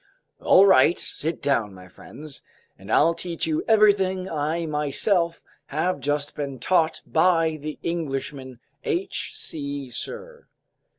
"All right, sit down, my friends, and I'll teach you everything I myself have just been taught by the Englishman H. C. Sirr!"